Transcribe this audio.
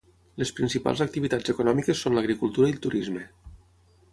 Les principals activitats econòmiques són l'agricultura i el turisme.